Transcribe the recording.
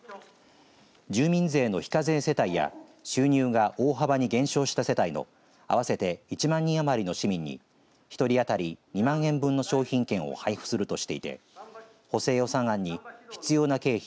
住民税の非課税世帯や、収入が大幅に減少した世帯の合わせて１万人余りの市民に１人あたり２万円分の商品券を配布するとしていて補正予算案に必要な経費